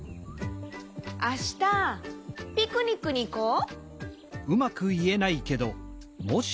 あしたピクニックにいこう！